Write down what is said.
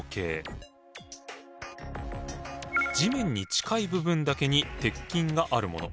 地面に近い部分だけに鉄筋があるもの。